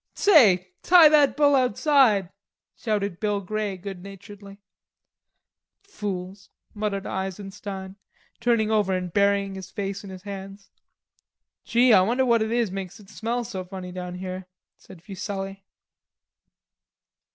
"Say, tie that bull outside," shouted Bill Grey good naturedly. "Fools," muttered Eisenstein, turning over and burying his face in his hands. "Gee, I wonder what it is makes it smell so funny down here," said Fuselli.